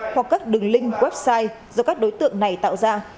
hoặc các đường link website do các đối tượng này tạo ra